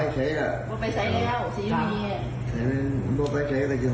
หลวงปู่ท่านจะบอกว่ายังไงเนี่ยเดี๋ยวท่านลองฟังดูนะฮะ